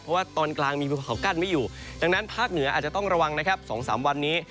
เพราะว่าตอนกลางมีภูเขากั้นไม่อยู่ดังนั้นภาคเหนืออาจจะต้องระวังนะครับ๒๓วันนี้